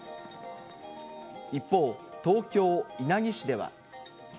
一方、東京・稲城市では。